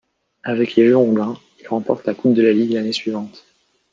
Avec les Girondins, il remporte la Coupe de la Ligue l'année suivante.